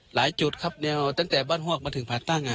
หลายจุดครับแนวตั้งแต่บ้านฮวกมาถึงผ่าตั้ง